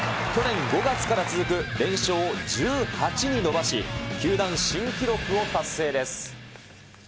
去年５月から続く連勝を１８に伸ばし、球団新記録を達成です。